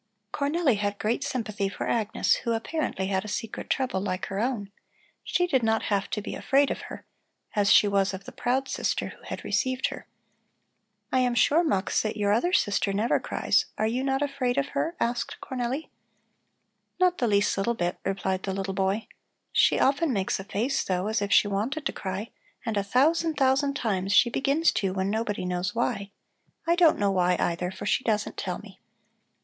Cornelli had great sympathy for Agnes, who apparently had a secret trouble like her own; she did not have to be afraid of her, as she was of the proud sister who had received her. "I am sure, Mux, that your other sister never cries. Are you not afraid of her?" asked Cornelli. "Not the least little bit," replied the little boy. "She often makes a face, though, as if she wanted to cry and a thousand, thousand times she begins to when nobody knows why. I don't know why, either, for she doesn't tell me."